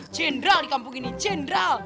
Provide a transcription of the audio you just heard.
general di kampung ini general